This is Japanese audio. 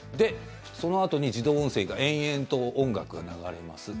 そのあとに自動音声が延々と音楽が流れます。